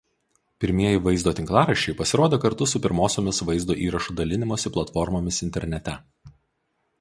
Pirmieji vaizdo tinklaraščiai pasirodė kartu su pirmosiomis vaido įrašų dalinimosi platformomis internete.